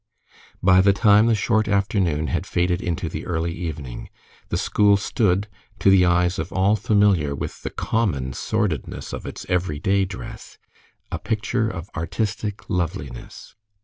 By the time the short afternoon had faded into the early evening, the school stood, to the eyes of all familiar with the common sordidness of its everyday dress, a picture of artistic loveliness.